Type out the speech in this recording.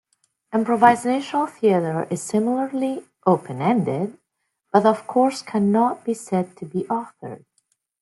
Improvisational theatre is similarly open-ended, but of course cannot be said to be authored.